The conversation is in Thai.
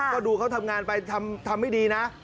ก็ดูเขาทำงานไปทำไม่ดีนะ